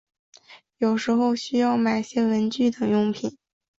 有时候需要买些文具等用品